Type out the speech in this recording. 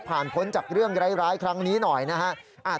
ผ่านพ้นจากเรื่องร้ายครั้งนี้หน่อยนะครับ